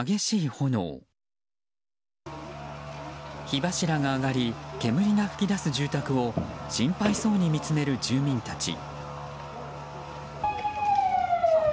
火柱が上がり煙が噴き出す住宅を心配そうに見つめる住民たち。